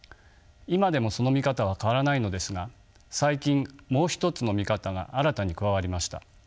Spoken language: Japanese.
今でもその見方は変わらないのですが最近もう一つの見方が新たに加わりました。